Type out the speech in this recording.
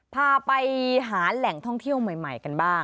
พาไปหาแหล่งท่องเที่ยวใหม่กันบ้าง